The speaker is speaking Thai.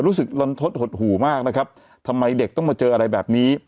ลันทดหดหู่มากนะครับทำไมเด็กต้องมาเจออะไรแบบนี้